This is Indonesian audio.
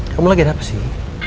kamu lagi ada apa sih